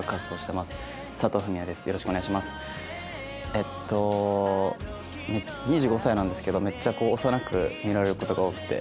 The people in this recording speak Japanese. えっと２５歳なんですけどめっちゃ幼く見られる事が多くて。